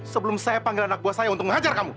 sebelum saya panggil anak buah saya untuk mengajar kamu